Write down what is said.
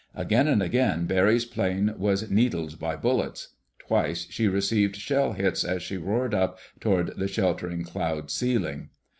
Again and again Barry's plane was needled by bullets. Twice she received shell hits as she roared up toward the sheltering cloud ceiling.